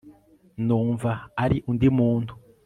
numva ari undi muntu